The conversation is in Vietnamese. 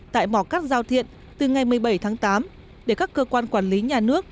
tại mỏ cắt giao thiện từ ngày một mươi bảy tháng tám để các cơ quan quản lý nhà nước